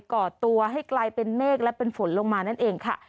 ก่อตัวให้กลายเป็นเมฆและเป็นฝนลงมานั่นเองค่ะ